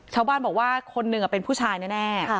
ชาวบ้านบอกว่าคนหนึ่งเป็นผู้ชายแน่